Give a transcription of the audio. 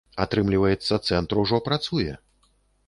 Атрымліваецца, цэнтр ужо працуе?